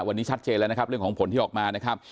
วันนี้ชัดเจนแล้วนะครับเรื่องของผลที่ออกมานะครับ